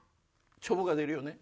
ちょぼが出るよね